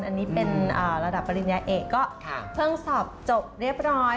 อันนี้เป็นระดับปริญญาเอกก็เพิ่งสอบจบเรียบร้อย